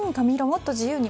もっと自由に。